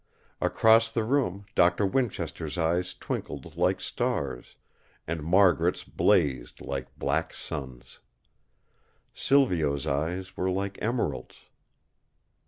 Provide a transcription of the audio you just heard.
Across the room Doctor Winchester's eyes twinkled like stars, and Margaret's blazed like black suns. Silvio's eyes were like emeralds.